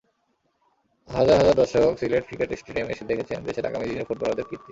হাজার হাজার দর্শক সিলেট স্টেডিয়ামে এসে দেখেছেন দেশের আগামী দিনের ফুটবলারদের কীর্তি।